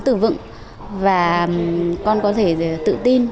con có thể tự vựng và con có thể tự tin